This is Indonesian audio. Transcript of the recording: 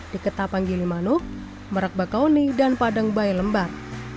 di ketapang gilimanu merakbakauni dan padang bayi lembar